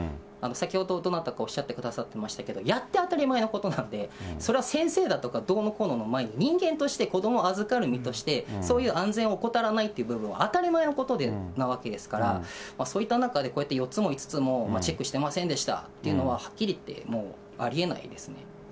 先ほどどなたかおっしゃってくださってましたけど、やって当たり前のことなんで、それは先生だとかどうのこうのの前に、人間として子どもを預かる身として、そういう安全を怠らないという部分は当たり前のことなわけですから、そういった中でこうやって４つも５つも、チェックしてませんでしたっていうのは、はっきりいってもう、ありえないですね。